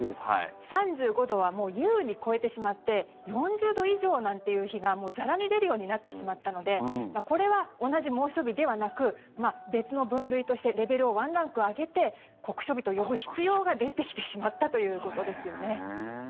３５度はもう優に超えてしまって４０度以上なんていう日がもうざらに出るようになってしまったのでこれは同じ猛暑日ではなく別の分類としてレベルをワンランク上げて酷暑日と呼ぶ必要が出てきてしまったということですよね。